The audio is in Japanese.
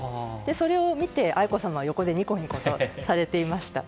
それを見て愛子さまは横でニコニコとされていました。